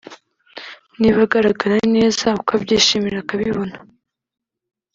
niba agaragara neza ukabyishimira akabibona